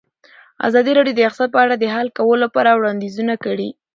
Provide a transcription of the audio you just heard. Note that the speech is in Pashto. ازادي راډیو د اقتصاد په اړه د حل کولو لپاره وړاندیزونه کړي.